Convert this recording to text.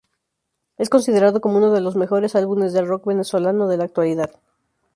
Es considerado como unos de los mejores álbumes del rock venezolano de la actualidad.